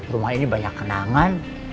rumah ini banyak kenangan